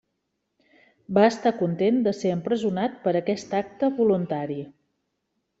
Va estar content de ser empresonat per aquest acte voluntari.